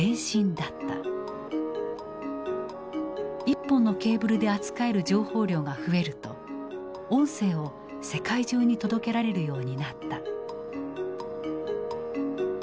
１本のケーブルで扱える情報量が増えると音声を世界中に届けられるようになった。